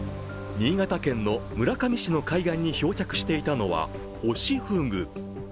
新潟県の村上市の海岸に漂着していたのはホシフグ。